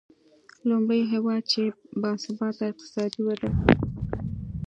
لومړی هېواد چې با ثباته اقتصادي وده یې تجربه کړې.